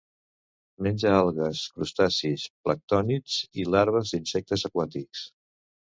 Menja algues, crustacis planctònics i larves d'insectes aquàtics.